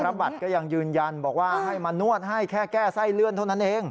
บัตรก็ยังยืนยันบอกว่าให้มานวดให้แค่แก้ไส้เลื่อนเท่านั้นเอง